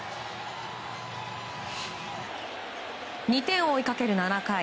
２点を追いかける７回。